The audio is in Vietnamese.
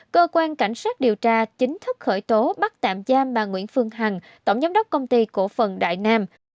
cơ quan cảnh sát điều tra chính thức khởi tố bắt tạm giam bà nguyễn phương hằng tổng giám đốc công ty cổ phần đại nam